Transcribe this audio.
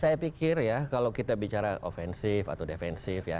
saya pikir ya kalau kita bicara ofensif atau defensif ya